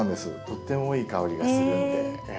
とってもいい香りがするんで。